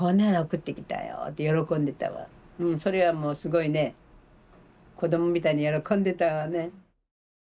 それはもうすごいね子どもみたいに喜んでたわね。